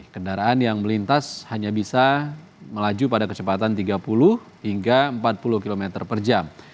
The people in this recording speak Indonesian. kendaraan yang melintas hanya bisa melaju pada kecepatan tiga puluh hingga empat puluh km per jam